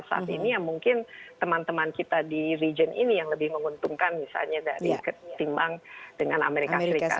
saat ini ya mungkin teman teman kita di region ini yang lebih menguntungkan misalnya dari ketimbang dengan amerika serikat